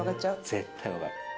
絶対分かる。